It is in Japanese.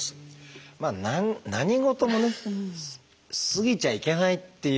何事もね過ぎちゃいけないっていう。